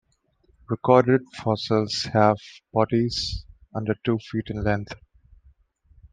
Recorded fossils have bodies under two feet in length.